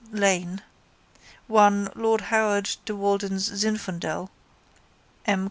Lane) 1. Lord Howard de Walden's Zinfandel (M.